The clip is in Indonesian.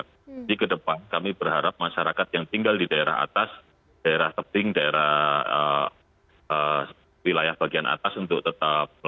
jadi ke depan kami berharap masyarakat yang tinggal di daerah atas daerah tebing daerah wilayah bagian atas untuk tetap berhenti